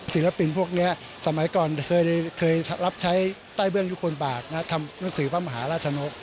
ศิลปินพวกนี้สมัยก่อนเคยรับใช้ใต้เบื้องยุคลบาททำหนังสือพระมหาราชนก